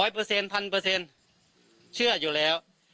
ร้อยเปอร์เซ็นต์พันเปอร์เซ็นต์เชื่ออยู่แล้ว